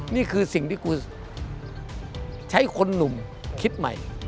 นี่คือสิ่งที่กูใช้คนหนุ่มคิดใหม่